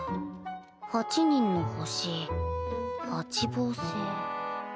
８人の星八芒星